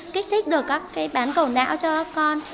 kích thích được các cái bán cổ não cho con